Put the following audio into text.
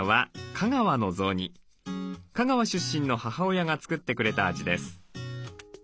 香川出身の母親が作ってくれた味です。